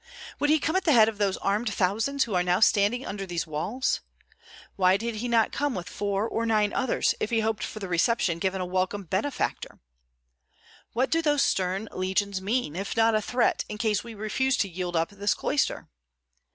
Would he come at the head of those armed thousands who are now standing under these walls? Why did he not come with four or nine others, if he hoped for the reception given a welcome benefactor? What do those stern legions mean, if not a threat in case we refuse to yield up this cloister?